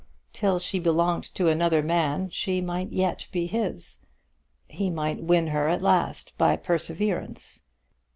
Till she belonged to another man she might yet be his. He might win her at last by perseverance.